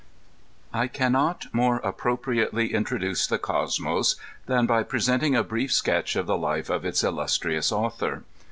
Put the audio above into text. I CAN not more appropriately introduce the Coemoi than by presenting a brief sketch of the life of its illustrious au thor.